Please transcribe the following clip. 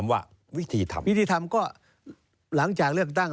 วิธีทำก็หลังจากเรื่องตั้ง